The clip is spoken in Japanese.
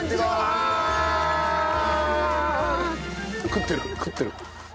食ってる食ってる。